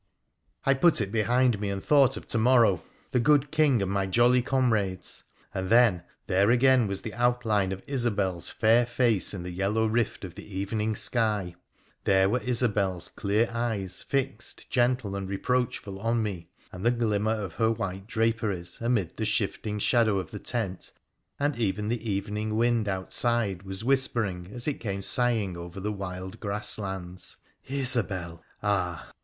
I put it PHRA THE PHCEN1CIAN rgi behind me, and thought of to morrow — the good King and my jolly comrades — and then there again was the outline of Isobel's fair face in the yellow rift of the evening sky ; there were Isobel's clear eyes fixed, gentle and reproachful, on me, and the glimmer of her white draperies amid the shifting shadow of the tent, and even the evening wind outside was whispering as it came sighing over the wild grass lands —' Isobel !' Ah